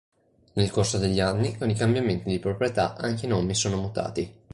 Nel corso degli anni, con i cambiamenti di proprietà, anche i nomi sono mutati.